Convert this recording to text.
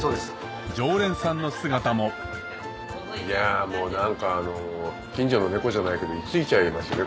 常連さんの姿もいやぁもう何か近所の猫じゃないけど居着いちゃいますね